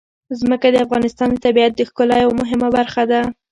ځمکه د افغانستان د طبیعت د ښکلا یوه مهمه برخه ده.